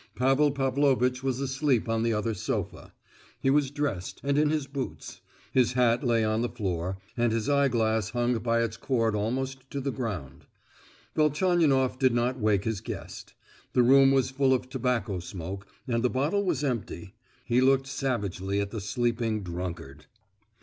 Pavel Pavlovitch was asleep on the other sofa. He was dressed, and in his boots; his hat lay on the floor, and his eye glass hung by its cord almost to the ground. Velchaninoff did not wake his guest. The room was full of tobacco smoke, and the bottle was empty; he looked savagely at the sleeping drunkard.